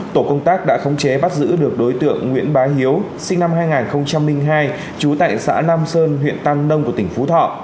tổ công tác đã khống chế bắt giữ được đối tượng nguyễn bá hiếu sinh năm hai nghìn hai trú tại xã nam sơn huyện tam nông của tỉnh phú thọ